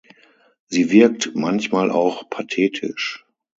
Sie wirkt manchmal auch pathetisch.